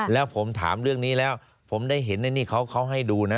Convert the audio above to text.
แล้วผมถามเรื่องนี้แล้วผมได้เห็นอันนี้เขาให้ดูนะ